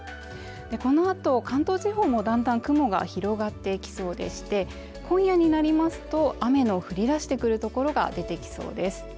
この後、関東地方もだんだん雲が広がっていきそうでして、今夜になりますと雨の降り出してくるところが出てきそうです。